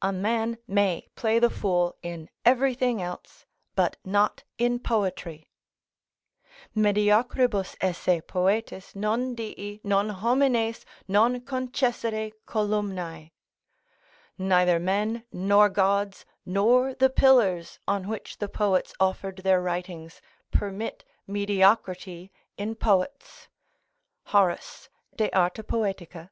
A man may play the fool in everything else, but not in poetry; "Mediocribus esse poetis Non dii, non homines, non concessere columnae." ["Neither men, nor gods, nor the pillars (on which the poets offered their writings) permit mediocrity in poets." Horace, De Arte Poet., 372.